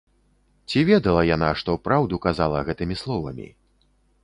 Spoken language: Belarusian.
Ці ведала яна, што праўду казала гэтымі словамі?